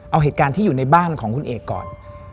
เอาเหตุการณ์ที่อยู่ในบ้านของคุณเอกก่อน